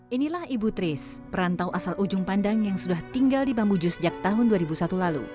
inilah ibu tris perantau asal ujung pandang yang sudah tinggal di bambuju sejak tahun dua ribu satu lalu